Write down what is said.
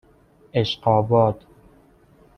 عشق آباد